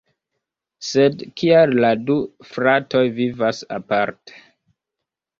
Sed kial la du "fratoj" vivas aparte?